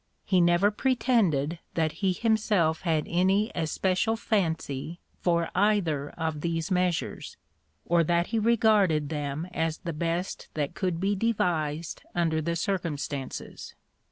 He never pretended that he himself had any especial fancy for either of these measures, or that he regarded them as the best that could be devised under the circumstances.